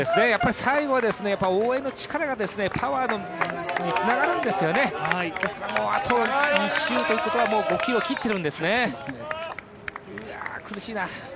最後は応援の力がパワーにつながるんですよね、あと２周ということは５ｋｍを切ってるんですね、苦しいな。